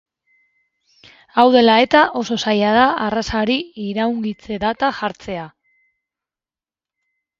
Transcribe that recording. Hau dela eta, oso zaila da arrazari iraungitze data jartzea.